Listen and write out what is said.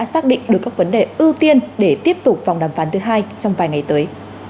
xác định được các vấn đề ưu tiên để tiếp tục vòng đàm phán thứ hai trong vài ngày tới